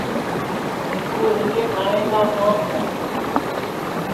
مِسکُو ہِنڈؔے کھاٹؔیں سونٚک ہے